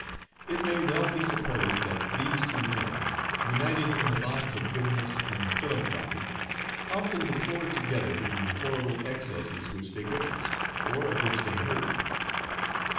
It may well be supposed that these two men, united in the bonds of goodness and philanthropy, often deplored together the horrible excesses which they witnessed, or of which they heard.